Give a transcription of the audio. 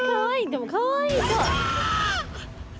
でもかわいい。